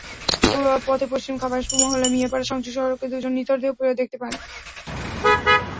পথে পশ্চিম খাবাসপুর মহল্লার মিয়াপাড়া সংযোগ সড়কে দুজনের নিথর দেহ দেখতে পান।